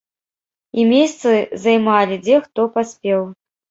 І месцы займалі, дзе хто паспеў.